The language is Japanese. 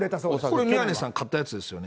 これ宮根さん、買ったやつですよね。